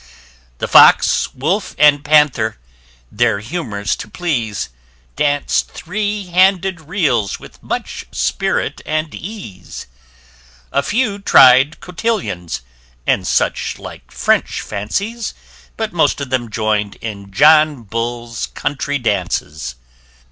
} The Fox, Wolf, and Panther, their humours to please, [p 12] Danc'd three handed reels with much spirit and ease. A few tried cotillions, and such like French fancies, But most of them join'd in John Bull's country dances.